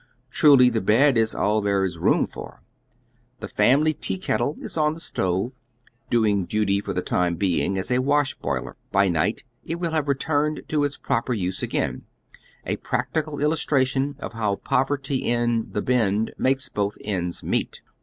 Truly, the bed is all there is room for. The family tea kettle is on the stove, doing duty for the time being as a wash boiler. By night it will have returned to its propel use again, a practical illustration of how povei ty in " the Bend" makes both ends meet.